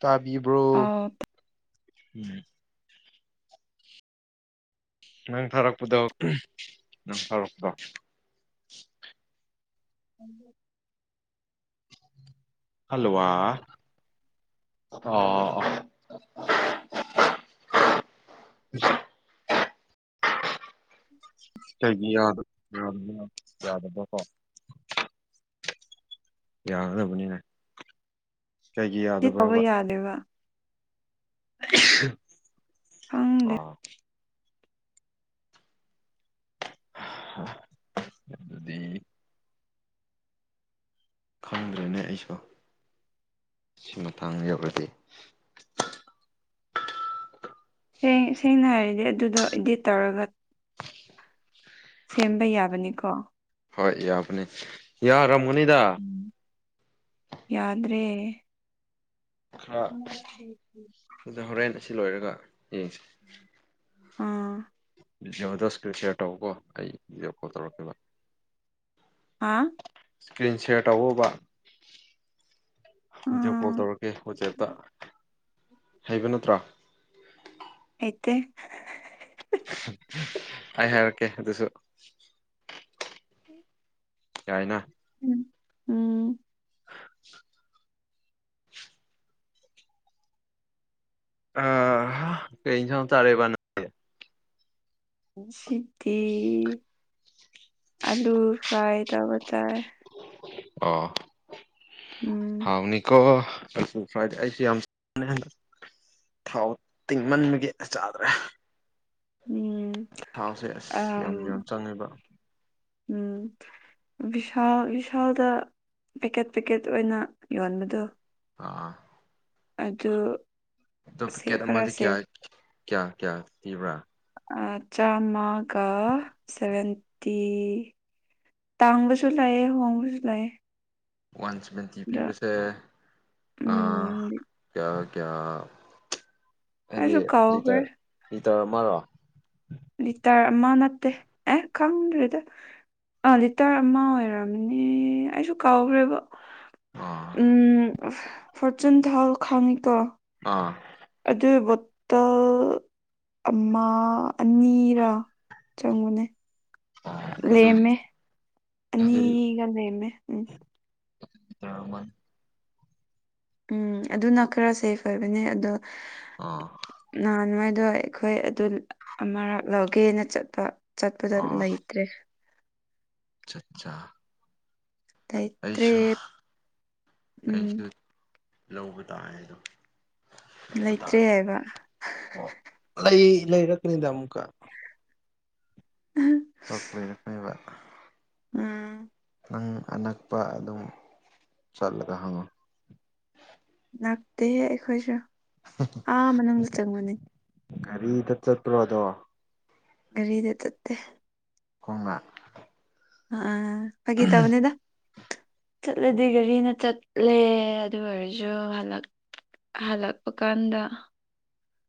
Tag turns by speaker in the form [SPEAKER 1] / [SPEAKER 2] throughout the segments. [SPEAKER 1] ꯇꯥꯕꯤꯕ꯭ꯔꯣ
[SPEAKER 2] ꯑꯥꯎ
[SPEAKER 1] ꯅꯪ ꯊꯥꯔꯛꯄꯗꯣ ꯅꯪ ꯊꯥꯔꯛꯄꯗꯣ
[SPEAKER 2] ꯎ
[SPEAKER 1] ꯍꯜꯂꯣ ꯑ ꯑꯣ ꯎ
[SPEAKER 2] [unintelligible]
[SPEAKER 1] ꯀꯒꯤ ꯌꯥꯗ ꯌꯥꯗꯕꯀꯣ ꯌꯥꯒꯗꯕꯅꯤꯅ ꯀꯩꯒꯤ ꯌꯥꯗꯕ꯭ꯔꯕ
[SPEAKER 2] ꯇꯗꯕ ꯈꯪꯗꯦ
[SPEAKER 1] ꯑꯣ ꯎꯝ ꯑꯗꯨꯗꯤ ꯈꯪꯗ꯭ꯔꯦꯅꯦ ꯑꯩꯁꯨ ꯁꯤ ꯃꯇꯥꯡ ꯌꯧꯔꯖꯩ
[SPEAKER 2] ꯍꯦꯡ ꯁꯦꯡꯅ ꯍꯥꯏꯔꯗꯤ ꯑꯗꯨꯗꯣ ꯏꯗꯤꯠ ꯇꯧꯔꯒ ꯁꯦꯝꯕ ꯌꯥꯕꯅꯤꯀꯣ
[SPEAKER 1] ꯍꯣꯏ ꯌꯥꯕꯅꯦ ꯌꯥꯔꯥꯝꯒꯅꯤꯗ
[SPEAKER 2] ꯌꯥꯗ꯭ꯔꯦ
[SPEAKER 1] ꯈꯔ ꯍꯣꯔꯦꯟ ꯑꯁꯤ ꯂꯣꯏꯔꯒ ꯌꯦꯡꯁꯤ
[SPEAKER 2] ꯑꯥ
[SPEAKER 1] ꯚꯗꯤꯑꯣꯗꯣ ꯁ꯭ꯀꯔꯤꯜ ꯁꯦꯌꯔ ꯇꯧꯧꯕꯀꯣ ꯑꯩ ꯤꯗꯤꯑꯣ ꯀꯣꯜ ꯇꯧꯔꯛꯈꯤꯕ
[SPEAKER 2] ꯍꯥꯥ
[SPEAKER 1] ꯏꯁꯀ꯭ꯔꯤꯟ ꯁꯦꯌꯥꯔ ꯇꯧꯕ ꯚꯤꯗꯤꯑꯣ ꯀꯣꯜ
[SPEAKER 2] ꯑꯥ
[SPEAKER 1] ꯇꯧꯔꯛꯀꯦ ꯋꯥꯆꯦꯞꯇ ꯍꯩꯕ ꯅꯠꯇ꯭ꯔꯥ
[SPEAKER 2] ꯑꯗꯤ
[SPEAKER 1] ꯑꯩ ꯍꯥꯏꯔꯛꯀꯦ ꯑꯗꯨꯁꯨ ꯌꯥꯏꯅ
[SPEAKER 2] ꯎꯝ ꯎꯝ
[SPEAKER 1] [unintelligible] ꯑ ꯍ ꯀꯩ ꯑꯦꯟꯁꯥꯡ ꯆꯔꯦꯕ ꯅꯪ
[SPEAKER 2] ꯉꯁꯤꯗꯤ ꯑꯂꯨ ꯐ꯭ꯔꯥꯏ ꯇꯧꯕ ꯆꯥꯏ
[SPEAKER 1] ꯑꯣ
[SPEAKER 2] ꯎꯝ
[SPEAKER 1] ꯍꯥꯎꯅꯤꯀꯣ ꯑ ꯐꯋꯥꯗꯗꯤ ꯑꯩꯁꯨ ꯌꯥꯝ ꯍꯟꯗꯛ [unintelligible] ꯊꯥꯎ ꯇꯤꯡꯃꯟꯕꯒꯤ ꯆꯥꯗ꯭ꯔꯦ
[SPEAKER 2] ꯎꯝ
[SPEAKER 1] ꯊꯥꯎꯁꯦ ꯑꯁ ꯌꯥꯝ ꯌꯥꯝ
[SPEAKER 2] ꯑꯝ
[SPEAKER 1] ꯆꯪꯉꯦꯕ
[SPEAKER 2] ꯎꯝ ꯕꯤꯚꯤꯁꯥꯜ ꯕꯤꯚꯤꯁꯥꯜꯗ ꯄꯦꯛꯀꯦꯠ ꯄꯦꯛꯀꯦꯠ ꯑꯣꯏꯅ ꯌꯣꯟꯕꯗꯣ
[SPEAKER 1] ꯑꯥ
[SPEAKER 2] ꯑꯗꯨ
[SPEAKER 1] ꯑꯗꯣ ꯄꯦꯀꯦꯠ
[SPEAKER 2] ꯈꯔ
[SPEAKER 1] ꯑꯃꯗꯤ
[SPEAKER 2] ꯁꯦꯐ
[SPEAKER 1] ꯀꯌꯥ ꯀꯌꯥ ꯀꯌꯥ ꯄꯤꯕ꯭ꯔꯥ
[SPEAKER 2] ꯆꯥꯝꯃꯒ ꯁꯚꯦꯟꯇꯤ ꯇꯥꯡꯕꯁꯨ ꯂꯥꯛꯑꯦ ꯍꯣꯡꯕꯁꯨ ꯂꯥꯛꯑꯦ
[SPEAKER 1] ꯋꯥꯟ ꯁꯕꯦꯟꯇꯤ ꯄꯤꯕꯁꯤ ꯑ
[SPEAKER 2] ꯎꯝ
[SPEAKER 1] ꯀꯌꯥ ꯀꯌꯥ ꯍꯥꯏꯗꯤ
[SPEAKER 2] ꯑꯩꯁꯨ ꯀꯥꯎꯈ꯭ꯔꯦ
[SPEAKER 1] ꯂꯤꯇꯔ ꯂꯤꯇꯔ ꯑꯃꯔꯣ
[SPEAKER 2] ꯂꯤꯇꯔ ꯑꯃꯥ ꯅꯠꯇꯦ ꯑꯦ ꯈꯪꯗꯔꯤꯗ ꯑꯥ ꯂꯤꯇꯔ ꯑꯃ ꯑꯣꯏꯔꯝꯅꯦ ꯑꯩꯁꯨ ꯀꯥꯎꯈ꯭ꯔꯦꯕ
[SPEAKER 1] ꯑꯥ
[SPEAKER 2] ꯎꯝ ꯐꯣꯔꯆꯨꯟ ꯊꯥꯎ ꯈꯪꯉꯤ ꯀꯣ
[SPEAKER 1] ꯑꯥ
[SPEAKER 2] ꯑꯗꯨ ꯕꯣꯠꯇꯜ ꯑꯃ ꯑꯅꯤꯔ ꯆꯪꯕꯅꯦ
[SPEAKER 1] ꯑꯗꯨꯗꯤ
[SPEAKER 2] ꯂꯦꯝꯃꯦ ꯑꯅꯤꯒ ꯂꯦꯝꯃꯦ ꯎꯝ
[SPEAKER 1] ꯑꯃ [unintelligible]
[SPEAKER 2] ꯎꯝ ꯑꯗꯨꯅ ꯈꯔ ꯁꯦꯞ ꯑꯣꯏꯕꯅꯦ ꯑꯗꯣ
[SPEAKER 1] ꯑꯥ
[SPEAKER 2] ꯅꯍꯥꯟꯋꯥꯥꯏꯗꯣ ꯑꯩꯈꯣꯏ ꯑꯗꯨ ꯑꯃꯔꯛ ꯂꯧꯒꯦꯅ ꯆꯠꯄ ꯆꯠꯄꯗ ꯂꯩꯇ꯭ꯔꯦ
[SPEAKER 1] ꯑꯆꯥ ꯑꯆꯥ
[SPEAKER 2] ꯂꯩꯇ꯭ꯔꯦ
[SPEAKER 1] ꯑꯩꯁꯨ
[SPEAKER 2] ꯎꯝ
[SPEAKER 1] ꯂꯧꯕ ꯇꯥꯏ ꯑꯗꯣ ꯂꯧꯕ ꯇꯥꯔꯦ
[SPEAKER 2] ꯂꯩꯇ꯭ꯔꯦ ꯍꯥꯏꯕ
[SPEAKER 1] ꯑꯣ ꯂꯩ ꯂꯩꯔꯛꯀꯅꯤꯗ ꯑꯃꯨꯛꯀ
[SPEAKER 2] ꯎꯝ
[SPEAKER 1] ꯇꯣ ꯂꯩꯔꯛꯅꯦꯕ
[SPEAKER 2] ꯎꯝ
[SPEAKER 1] ꯅꯪ ꯑꯅꯛꯄ ꯑꯗꯨꯝ ꯆꯠꯂꯒ ꯍꯪꯉꯣ
[SPEAKER 2] ꯅꯛꯇꯦ ꯍꯦ ꯑꯩꯈꯣꯏꯁꯨ ꯑꯥ ꯃꯅꯨꯡꯗ ꯆꯪꯕꯅꯤ
[SPEAKER 1] ꯒꯥꯔꯤꯗ ꯆꯠꯇ꯭ꯔꯣꯗꯣ
[SPEAKER 2] ꯒꯔꯤꯗ ꯆꯠꯇꯦ
[SPEAKER 1] ꯈꯣꯡꯅ
[SPEAKER 2] ꯑ ꯐꯒꯤ ꯇꯧꯕꯅꯦꯗ ꯆꯠꯂꯗꯤ ꯒꯥꯔꯤꯅ ꯆꯠꯂꯦ ꯑꯗꯨ ꯑꯣꯏꯔꯁꯨ ꯍꯜꯂꯛ ꯍꯜꯂꯛꯄ ꯀꯥꯟꯗ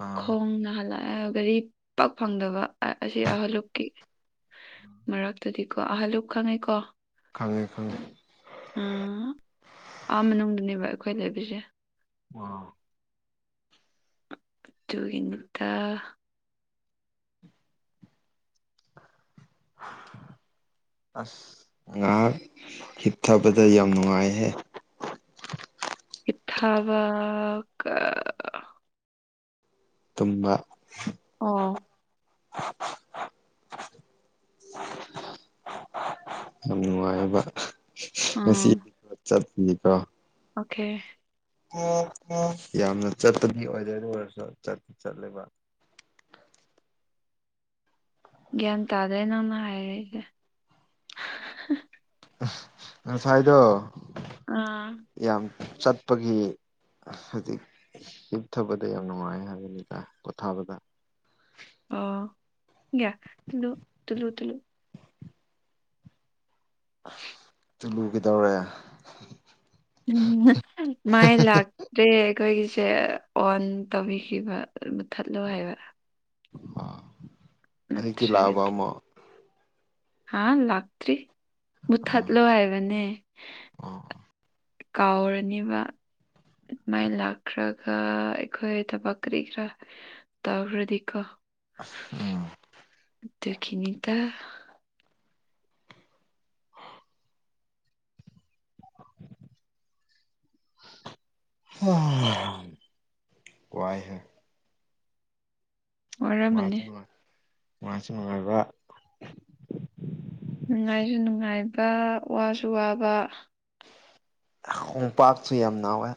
[SPEAKER 1] ꯑꯥ
[SPEAKER 2] ꯈꯣꯡ ꯅꯥꯍꯜꯂꯛꯑ ꯒꯥꯔꯤ ꯄꯛ ꯐꯪꯗꯕ ꯑꯁꯤ ꯍꯜꯂꯛꯀꯤ ꯃꯔꯛꯇꯗꯤꯀꯣ ꯑꯍꯜꯂꯨꯞ ꯈꯪꯉꯦꯀꯣ
[SPEAKER 1] ꯈꯉꯦ ꯈꯉꯦ
[SPEAKER 2] ꯎꯝ ꯑ ꯥ ꯃꯅꯨꯡꯗꯨꯅꯦꯕ ꯑꯩꯈꯣꯏ ꯂꯩꯕꯤꯁꯦ
[SPEAKER 1] ꯑꯥ
[SPEAKER 2] ꯑꯗꯨꯠꯇ ꯍꯅꯠꯇ
[SPEAKER 1] [unintelligible] ꯑꯁ ꯉꯥꯏꯍꯥꯛ ꯍꯤꯠꯊꯕꯗ ꯌꯥꯝ ꯅꯨꯡꯉꯥꯏꯍꯦ
[SPEAKER 2] ꯏꯊꯕ ꯀ
[SPEAKER 1] ꯇꯨꯝꯕ
[SPEAKER 2] ꯑꯣ
[SPEAKER 1] [unintelligible] ꯌꯥꯝ ꯅꯨꯡꯉꯥꯏꯕ ꯉꯁꯤ
[SPEAKER 2] ꯎꯝ
[SPEAKER 1] ꯆ ꯊꯀ
[SPEAKER 2] ꯑꯣꯀꯦ
[SPEAKER 1] ꯌꯥꯝꯅ ꯆꯠꯄꯗꯤ ꯑꯣꯏꯗꯣꯏ ꯑꯣꯏꯔꯁꯨ ꯆꯠꯇ ꯆꯠꯂꯦꯕ
[SPEAKER 2] ꯒ꯭ꯌꯥꯟ ꯇꯥꯗ꯭ꯔꯦ ꯅꯪꯅ ꯍꯥꯏꯔꯛꯏꯁꯦ
[SPEAKER 1] ꯑ ꯁꯥꯏꯗꯣ
[SPEAKER 2] ꯑꯥ
[SPEAKER 1] ꯌꯥꯝ ꯆꯠꯄꯒꯤ ꯍꯥꯏꯗꯤ ꯍꯤꯞꯊꯕꯗ ꯌꯥꯝ ꯅꯨꯡꯉꯥꯏ ꯍꯥꯏꯕꯅꯤ ꯇꯥꯏ ꯄꯣꯊꯥꯕꯗ
[SPEAKER 2] ꯑꯣꯌꯥ ꯇꯂꯨ ꯇꯂꯨ ꯇꯂꯨ
[SPEAKER 1] ꯇꯨꯂꯨꯒꯦꯗꯧꯔꯦ
[SPEAKER 2] ꯃꯥꯏ ꯂꯥꯛ ꯗꯦ ꯑꯩꯈꯣꯏꯒꯤꯁꯦ ꯑꯣꯟ ꯇꯧꯕꯤꯈꯤꯕ ꯃꯨꯊꯠꯂꯣ ꯍꯥꯏꯕ
[SPEAKER 1] ꯑꯒꯤ ꯂ
[SPEAKER 2] ꯅꯠꯇ꯭ꯔꯒꯗꯤ
[SPEAKER 1] ꯑꯃ
[SPEAKER 2] ꯍꯥ ꯂꯥꯛꯇ꯭ꯔꯤ ꯃꯨꯊꯠꯂꯣ ꯍꯥꯏꯕꯅꯦ
[SPEAKER 1] ꯑꯣ
[SPEAKER 2] ꯀꯥꯎꯔꯅꯦꯕ ꯑꯗꯨꯃꯥꯏꯅ ꯂꯥꯛꯈ꯭ꯔꯒ ꯑꯩꯈꯣꯏ ꯊꯕꯛ ꯀꯔꯤ ꯈꯔ ꯇꯥꯈ꯭ꯔꯗꯤꯀ
[SPEAKER 1] ꯎꯝ
[SPEAKER 2] ꯇꯣ ꯒꯤꯅꯤ ꯇ
[SPEAKER 1] [unintelligible] ꯋꯥꯏ ꯍ ꯃꯥꯁ
[SPEAKER 2] ꯋꯥꯔꯝꯃꯅꯤ
[SPEAKER 1] ꯃꯅꯨꯡꯉ ꯃꯥꯁꯅꯅꯨꯡꯉꯥꯏꯕ
[SPEAKER 2] ꯅꯨꯡꯉꯥꯏꯁꯨ ꯅꯨꯡꯉꯥꯏꯕ ꯋꯥꯁꯨ ꯋꯥꯕ
[SPEAKER 1] ꯈꯣꯡꯄꯥꯛꯁꯨ ꯌꯥꯝ ꯅꯥꯎꯋꯏ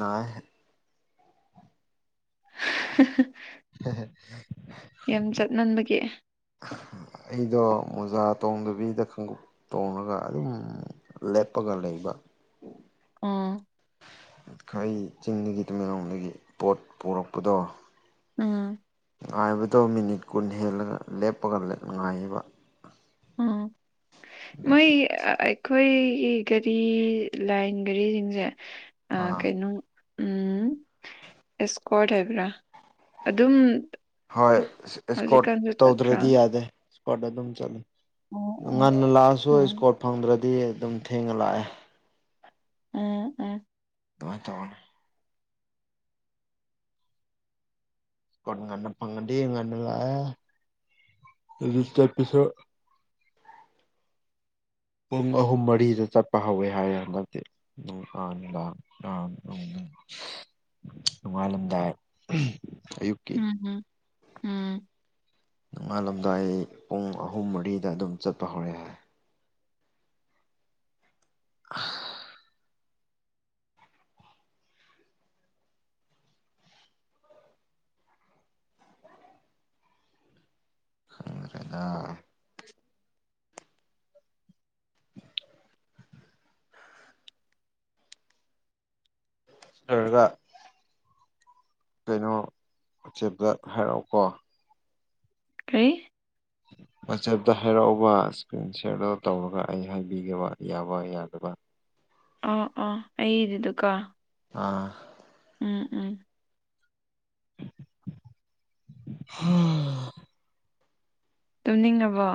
[SPEAKER 1] ꯅꯥꯏ
[SPEAKER 2] [unintelligible]
[SPEAKER 1] [unintelligible]
[SPEAKER 2] ꯌꯥꯝ ꯆꯠꯃꯟꯕꯒꯤ
[SPEAKER 1] ꯑꯩꯗꯣ ꯃꯣꯖꯥ ꯇꯣꯡꯗꯕꯤꯗ ꯈꯪꯎꯞ ꯇꯣꯡꯉꯒ ꯑꯗꯨꯝ ꯂꯦꯞꯄꯒ ꯂꯩꯕ
[SPEAKER 2] ꯑꯣ
[SPEAKER 1] ꯑꯩꯏ ꯆꯤꯡꯗꯒꯤ ꯇꯨꯃꯦꯡꯂꯣꯡꯗꯒꯤ ꯄꯣꯠ ꯄꯨꯔꯛꯄꯗꯣ
[SPEAKER 2] ꯎꯝ
[SPEAKER 1] ꯉꯥꯏꯕꯗꯣ ꯃꯤꯅꯤꯠ ꯀꯨꯟ ꯍꯦꯜꯂꯒ ꯂꯦꯞꯄꯒ ꯉꯥꯏꯕ
[SPEAKER 2] ꯎꯝ ꯃꯣꯏ
[SPEAKER 1] ꯑꯗꯒꯤ
[SPEAKER 2] ꯑꯩꯈꯣꯏꯒꯤ ꯒꯥꯔꯤ ꯂꯥꯏꯟ ꯒꯥꯔꯤꯁꯤꯡꯁꯦ
[SPEAKER 1] ꯑꯥ
[SPEAKER 2] ꯀꯩꯅꯣ ꯎꯝ ꯑꯦꯁꯀ꯭ꯋꯥꯠ ꯍꯥꯏꯕ꯭ꯔꯥ ꯑꯗꯨꯝ
[SPEAKER 1] ꯍꯣꯏ ꯏꯁꯀꯣꯔ
[SPEAKER 2] ꯍꯧꯖꯤꯛꯀꯥꯟꯁꯨ ꯆꯠꯄ꯭ꯔꯥ
[SPEAKER 1] ꯇꯧꯗ꯭ꯔꯗꯤ ꯌꯥꯗꯦ ꯏꯁꯀꯣꯔꯠꯇ ꯑꯗꯨꯝ ꯆꯠꯂ
[SPEAKER 2] ꯑꯣ ꯑꯣ
[SPEAKER 1] ꯉꯟꯅ ꯂꯥꯛꯑꯁꯨ
[SPEAKER 2] ꯑꯣ
[SPEAKER 1] ꯏꯁꯀꯣꯔꯠ ꯐꯪꯗ꯭ꯔꯗꯤ ꯑꯗꯨꯝ ꯊꯦꯡꯅ ꯂꯥꯛꯑꯦ
[SPEAKER 2] ꯎꯝ ꯎꯝ
[SPEAKER 1] ꯉ ꯇꯧꯅ ꯉꯟꯅꯂꯥꯛ ꯑꯦ ꯄꯉꯗꯤꯅ ꯂ ꯄꯨꯡ ꯑꯍꯨꯝ ꯃꯔꯤꯗ ꯆꯠꯄ ꯍꯧꯋꯦ ꯍꯥꯏꯌꯦ ꯅꯠꯇꯦ ꯎ ꯑꯅ ꯂ ꯑ ꯎ ꯅꯣꯡꯉꯥꯜꯂꯝꯗꯥꯏ ꯑꯌꯨꯛ
[SPEAKER 2] ꯎꯝ ꯍꯝ ꯎꯝ
[SPEAKER 1] ꯅꯣꯡꯉꯥꯜꯂꯝꯗꯥꯏ ꯄꯨꯡ ꯑꯍꯨꯝ ꯃꯔꯤꯗ ꯑꯗꯨꯝ ꯆꯠꯄ ꯍꯧꯔꯛꯦ ꯑ ꯑꯦꯗ [inaudible] [unintelligible] ꯑꯗꯨꯒ ꯀꯩꯅꯣ ꯋꯥꯆꯦꯞꯇ ꯍꯥꯏꯔꯛꯑꯣꯀꯣ
[SPEAKER 2] ꯀꯩ
[SPEAKER 1] ꯋꯥꯆꯦꯞꯇ ꯍꯥꯏꯔꯛꯎꯕ ꯏꯁꯀ꯭ꯔꯤꯟ ꯁꯦꯌꯥꯔꯗ ꯇꯧꯔꯒ ꯑꯩ ꯍꯥꯏꯕꯤꯒꯦꯕ ꯌꯥꯕ ꯌꯥꯗꯕ
[SPEAKER 2] ꯑꯥ ꯑꯥ ꯑꯩꯗꯨꯗꯨꯀ
[SPEAKER 1] ꯑꯥ
[SPEAKER 2] ꯎꯝ ꯎꯝ
[SPEAKER 1] ꯑ [inaudible]
[SPEAKER 2] ꯇꯨꯝꯅꯤꯡꯉꯕꯣ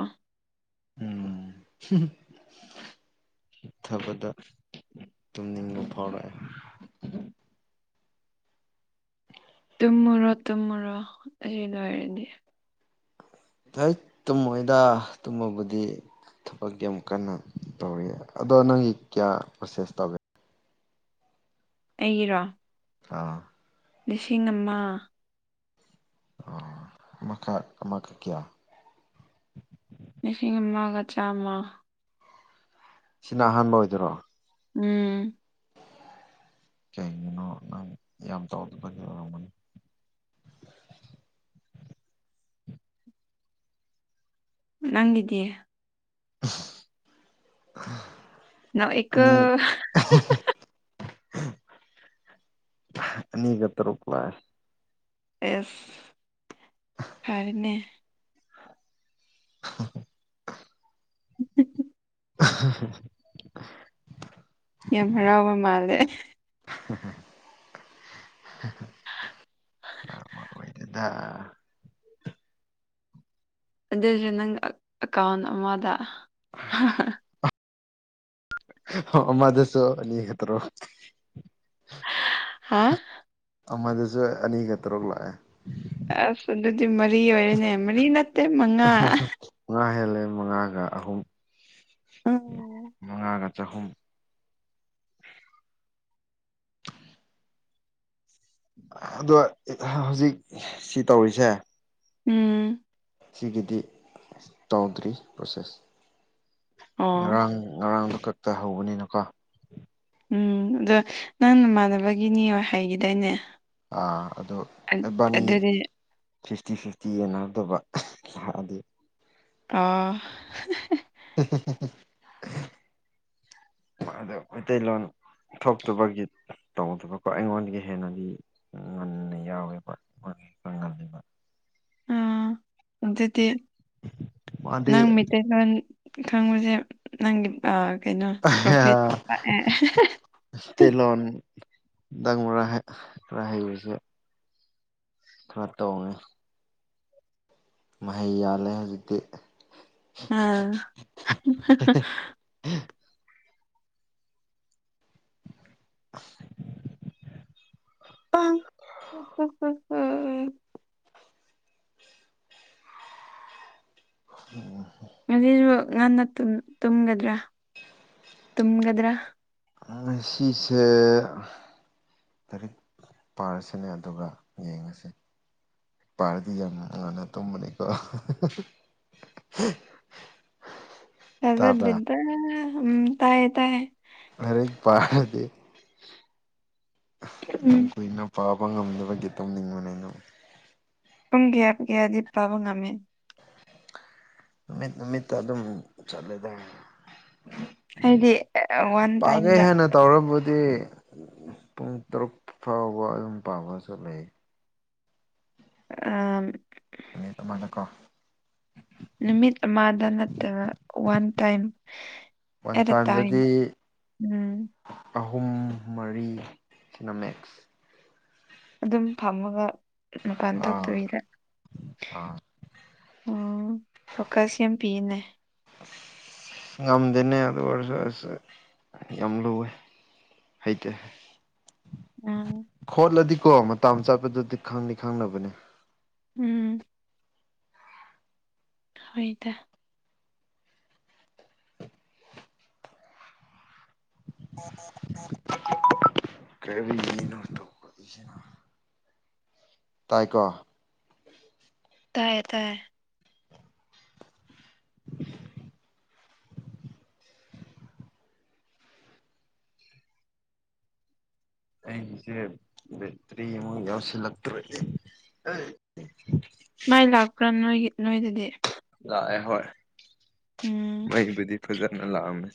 [SPEAKER 1] ꯎꯝ ꯊꯕꯗ ꯇꯨꯝꯅꯤꯡꯕ ꯐꯥꯎꯔꯛꯑꯦ
[SPEAKER 2] ꯇꯨꯝꯃꯨꯔꯣ ꯇꯨꯝꯃꯨꯔꯣ ꯑꯁꯤ ꯂꯣꯏꯔꯗꯤ
[SPEAKER 1] ꯍ ꯇꯨꯝꯃꯣꯏꯗ ꯇꯨꯝꯃꯕꯨꯗꯤ ꯊꯕꯛꯀꯤ ꯑꯃꯨꯛ ꯀꯟꯅ ꯇꯧꯔꯤ ꯑꯗꯣ ꯅꯪꯒꯤ ꯀꯌꯥ ꯄ꯭ꯔꯣꯁꯦꯁ ꯇꯧꯒꯦ
[SPEAKER 2] ꯑꯩꯒꯤꯔꯣ
[SPEAKER 1] ꯑꯥ
[SPEAKER 2] ꯂꯤꯁꯤꯡ ꯑꯃ
[SPEAKER 1] ꯑꯣ ꯑꯃꯛ ꯑꯃꯈꯛ ꯀꯌꯥ
[SPEAKER 2] ꯂꯤꯁꯤꯡ ꯑꯃꯒ ꯆꯥꯝꯃ
[SPEAKER 1] ꯁꯤꯅ ꯑꯍꯥꯟꯕ ꯑꯣꯏꯗꯣꯏꯔꯣ
[SPEAKER 2] ꯎꯝ
[SPEAKER 1] ꯀꯩꯒꯤꯅꯣ ꯅꯪ ꯌꯥꯝ ꯇꯧꯗ ꯐꯒꯤ ꯑꯣꯏꯃꯅꯤ
[SPEAKER 2] ꯅꯪꯒꯤꯗꯤ ꯅꯣꯛꯑꯦꯀꯣ
[SPEAKER 1] ꯑꯅꯤ ꯑꯅꯤꯒ ꯇꯔꯨꯄꯂ
[SPEAKER 2] ꯑꯦꯁ ꯐꯔꯅꯦ
[SPEAKER 1] ꯍ ꯍꯣꯏ [inaudible]
[SPEAKER 2] ꯎꯝ [inaudible]
[SPEAKER 1] [inaudible]
[SPEAKER 2] ꯌꯥꯝ ꯍꯔꯥꯎꯕ ꯃꯥꯜꯂꯦ
[SPEAKER 1] [inaudible]
[SPEAKER 2] ꯑꯗꯨ [inaudible]
[SPEAKER 1] ꯑꯥ
[SPEAKER 2] ꯑꯗꯨꯁꯨ ꯅꯪ ꯑꯦꯀꯥꯎꯟ ꯑꯃꯗ
[SPEAKER 1] ꯑꯣ ꯑꯃꯗꯁꯨ ꯑꯅꯤꯈꯛꯇꯔꯣ
[SPEAKER 2] ꯍꯥ
[SPEAKER 1] ꯑꯃꯗꯁꯨ ꯑꯅꯤꯒ ꯇꯔꯨꯛ ꯂꯥꯛꯑꯦ
[SPEAKER 2] ꯑꯁ ꯑꯗꯨꯗꯤ ꯃꯔꯤ ꯑꯣꯏꯔꯦꯅꯦ ꯃꯔꯤ ꯅꯠꯇꯦ ꯃꯉꯥ
[SPEAKER 1] ꯃꯉꯥ ꯍꯦꯜꯂꯦ ꯃꯉꯥꯒ ꯑꯍꯨꯝ ꯃꯉꯥꯒ ꯆꯍꯨꯝ ꯑꯗꯣ ꯍꯧꯖꯤꯛ ꯁꯤ ꯇꯧꯔꯤꯁꯦ
[SPEAKER 2] ꯎꯝ
[SPEAKER 1] ꯁꯤꯒꯤꯗꯤ ꯆꯥꯎꯗ꯭ꯔꯤ ꯄ꯭ꯔꯣꯁꯦꯁ
[SPEAKER 2] ꯑꯣ
[SPEAKER 1] ꯉꯔꯥꯡ ꯉꯔꯥꯡꯗꯨ ꯈꯛꯇ ꯍꯧꯕꯅꯤꯅꯀꯣ
[SPEAKER 2] ꯎꯝ ꯑꯗꯣ ꯅꯪ ꯅꯃꯥꯟꯅꯕꯒꯤꯅꯤ ꯍꯥꯏꯈꯤꯗꯣꯏꯅꯦ
[SPEAKER 1] ꯑꯗꯣ ꯑꯦꯕꯥꯅꯤ ꯐꯤꯐꯇꯤ ꯐꯤꯐꯇꯤꯅꯗꯕ ꯂꯥꯛꯑꯗꯤ
[SPEAKER 2] ꯑꯣ
[SPEAKER 1] ꯍ ꯍ ꯍ ꯍ [inaudible] ꯑꯗꯣ ꯃꯩꯇꯩꯂꯣꯟ ꯊꯣꯛꯇꯕꯒꯤ ꯇꯧꯗꯕꯀꯣ ꯑꯩꯉꯣꯟꯗꯒꯤ ꯍꯦꯟꯅꯗꯤ ꯎ ꯉꯟꯅ ꯌꯥꯎꯋꯦꯪ ꯉꯜꯂꯤꯕ
[SPEAKER 2] ꯑ ꯑꯗꯨꯗꯤ
[SPEAKER 1] ꯃꯥꯗꯤ
[SPEAKER 2] ꯅꯪ ꯃꯩꯇꯩꯂꯣꯟ ꯈꯪꯕꯁꯦ ꯅꯪꯒꯤ ꯀꯩꯅꯣ ꯄ꯭ꯔꯣꯐꯤꯠ
[SPEAKER 1] ꯇꯦꯂꯣꯟ ꯗꯪꯃꯔꯥ ꯈꯔ ꯍꯩꯕꯁꯦ ꯊꯠꯇ ꯃꯍꯩ ꯌꯥꯜꯂꯦ ꯍꯧꯖꯤꯛꯇꯤ
[SPEAKER 2] ꯑꯥ
[SPEAKER 1] [inaudible]
[SPEAKER 2] ꯎ ꯎꯝ ꯎꯝ
[SPEAKER 1] ꯎꯝ
[SPEAKER 2] ꯉꯁꯤꯁꯨ ꯉꯟꯅ ꯇꯨꯝꯒꯗ꯭ꯔꯥ ꯇꯨꯝꯒꯗ꯭ꯔꯥ
[SPEAKER 1] ꯁꯤꯁꯦ ꯇꯔꯤꯛ ꯄꯥꯔꯁꯤꯅꯦ ꯑꯗꯨꯒ ꯌꯦꯡꯉꯁꯤ ꯄꯥꯔꯗꯤ ꯌꯥꯝꯅꯨꯡꯉꯥꯟꯅ ꯇꯨꯝꯕꯅꯤꯀꯣ [inaudible]
[SPEAKER 2] ꯆꯗ
[SPEAKER 1] ꯇꯥꯕ꯭ꯔꯥ
[SPEAKER 2] ꯎꯝ ꯇꯥꯏꯌꯦ ꯇꯥꯏꯌꯦ
[SPEAKER 1] ꯍꯔ ꯄꯔꯗꯦ
[SPEAKER 2] ꯎꯝ
[SPEAKER 1] ꯌꯥꯝ ꯄꯥꯕ ꯉꯝꯗꯅꯕꯒꯤ ꯇꯧꯅꯤꯡꯕꯅꯤꯉꯝ
[SPEAKER 2] ꯄꯨꯡ ꯀꯌꯥ ꯀꯌꯥꯗꯤ ꯄꯥꯕ ꯉꯝꯃꯦ
[SPEAKER 1] ꯅꯨꯃꯤꯠ ꯅꯨꯃꯤꯠꯇ ꯑꯗꯨꯝ ꯆꯠꯂꯦꯗ
[SPEAKER 2] ꯍꯥꯏꯗꯤ ꯋꯥꯟ ꯇꯥꯏꯝꯗ
[SPEAKER 1] ꯇꯧꯔꯕꯗꯤ ꯄꯨꯡ ꯇꯔꯨꯛ ꯐꯥꯎꯕ ꯑꯗꯨꯝ ꯄꯥꯝꯕꯁꯨ ꯂꯩ
[SPEAKER 2] ꯑ
[SPEAKER 1] ꯑꯅꯤ ꯑꯗꯨꯃꯥꯏꯅꯀꯣ
[SPEAKER 2] ꯅꯨꯃꯤꯠ ꯑꯃꯗ ꯅꯠꯇꯕ ꯋꯥꯟ ꯇꯥꯏꯝ
[SPEAKER 1] ꯃꯟ
[SPEAKER 2] ꯑꯦꯠ ꯑ ꯇꯥꯏꯝ
[SPEAKER 1] ꯇꯥꯟꯗꯗꯤ
[SPEAKER 2] ꯎꯝ
[SPEAKER 1] ꯑꯍꯨꯝ ꯃꯔꯤ ꯁꯤꯅꯃꯤꯛꯁ
[SPEAKER 2] ꯑꯗꯨꯝ ꯐꯝꯃꯒ ꯃꯄꯥꯟ
[SPEAKER 1] ꯑꯥ
[SPEAKER 2] ꯊꯣꯛꯇꯕꯤꯗ
[SPEAKER 1] ꯑꯥ
[SPEAKER 2] ꯎꯝ ꯐꯣꯀꯁ ꯌꯥꯝ ꯄꯤꯅꯦ
[SPEAKER 1] ꯉꯝꯗꯦꯅꯦ ꯑꯗꯨ ꯑꯣꯏꯔꯁꯨ ꯑꯁ ꯌꯥꯝ ꯂꯨꯋꯦ ꯍꯩꯇ
[SPEAKER 2] ꯎꯝ
[SPEAKER 1] ꯈꯣꯠꯂꯗꯤ ꯀꯣ ꯃꯇꯝ ꯆꯠꯄꯗꯨꯗꯤ ꯈꯪꯅꯤ ꯈꯪꯅꯕꯅꯦ
[SPEAKER 2] ꯎꯝ ꯍꯣꯏꯗ
[SPEAKER 1] ꯀꯔꯤ ꯇꯥꯏꯀꯣ
[SPEAKER 2] ꯇꯥꯏꯦ ꯇꯥꯏ
[SPEAKER 1] ꯑꯩꯒꯤꯁꯦ ꯕꯦꯇ꯭ꯔꯤ ꯑꯃꯨꯛ ꯌꯥꯎꯁꯤꯜꯂꯛꯇ꯭ꯔꯅꯦ ꯑ
[SPEAKER 2] ꯃꯥꯏ ꯂꯥꯛꯄ꯭ꯔꯥ ꯅꯣꯏꯒꯤ ꯅꯣꯏꯗꯗꯤ
[SPEAKER 1] ꯂꯥꯛꯑꯦ ꯍꯣꯏ
[SPEAKER 2] ꯎꯝ
[SPEAKER 1] ꯃꯩꯕꯨꯗꯤ ꯐꯖꯅ ꯂꯥꯛꯑꯝꯃꯦ